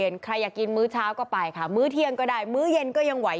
นี่แหละมันคืออะไร